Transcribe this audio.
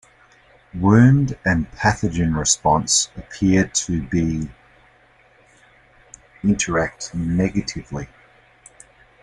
Wound and pathogen response appear to be interact negatively.